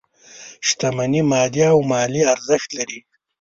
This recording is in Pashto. شتمني مادي او مالي ارزښت لري.